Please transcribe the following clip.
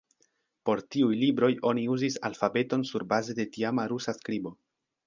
Por tiuj libroj oni uzis alfabeton surbaze de tiama rusa skribo.